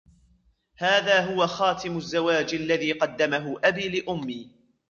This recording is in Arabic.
هذا هو خاتم الزواج الذي قدّمه أبي لأمي.